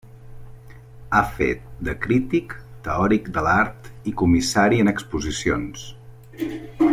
Ha fet de crític, teòric de l'art i comissari en exposicions.